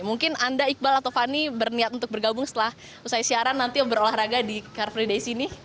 mungkin anda iqbal atau fani berniat untuk bergabung setelah usai siaran nanti berolahraga di car free days ini